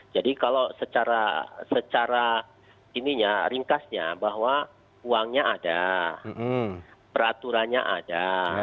jadi kalau secara ringkasnya bahwa uangnya ada peraturannya ada